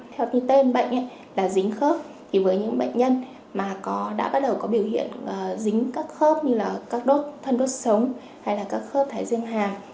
theo tên bệnh là dính khớp với những bệnh nhân đã bắt đầu có biểu hiện dính các khớp như là các đốt thân đốt sống hay là các khớp thái riêng hàng